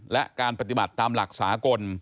และการปฏิบัติตามหลักสากล